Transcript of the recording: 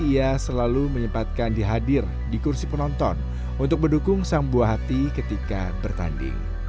ia selalu menyempatkan dihadir di kursi penonton untuk mendukung sang buah hati ketika bertanding